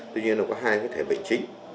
tuy nhiên nó có hai thể bệnh chính